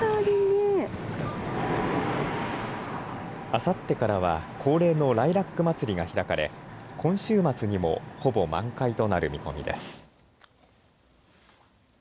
あさってからは恒例のライラックまつりが開かれ今週末にもほぼ満開となる見込みです。